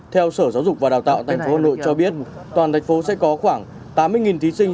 theo sở giáo dục và đào tạo tp hà nội cho biết toàn thành phố sẽ có khoảng tám mươi thí sinh